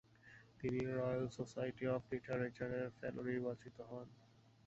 তিনি royal society of লিটারেচারের fellow নির্বাচিত হন।